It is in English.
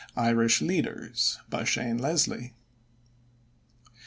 IRISH LEADERS By SHANE LESLIE.